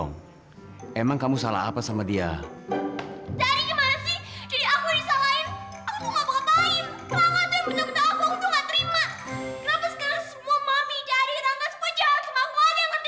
aku jadi rangka semua jahat sama aku aja yang berterima aku